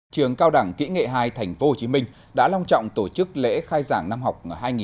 trường cao đẳng kỹ nghệ hai tp hcm đã long trọng tổ chức lễ khai giảng năm học hai nghìn hai mươi hai nghìn hai mươi